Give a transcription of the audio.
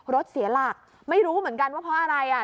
รถเสียหลักไม่รู้เหมือนกันว่าเพราะอะไรอ่ะ